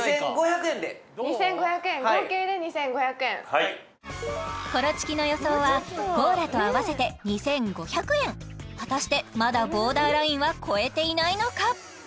２５００円合計で２５００円コロチキの予想はコーラと合わせて２５００円果たしてまだボーダーラインは超えていないのか？